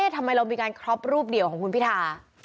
ทำไมเรามีการครอบรูปเดียวของคุณพิธา